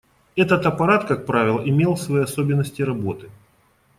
Этот аппарат, как правило, имел свои особенности работы.